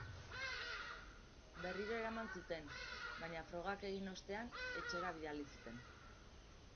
Berriro eraman zuten, baina frogak egin ostean, etxera bidali zuten.